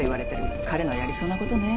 彼のやりそうなことね。